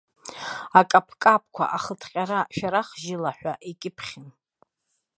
Акаԥкаԥқәа, ахҭҟьара, шәарахжьыла ҳәа икьыԥхьын.